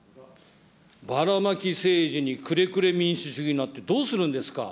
ばらまき政治にくれくれ民主主義なんて、どうするんですか。